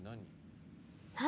何？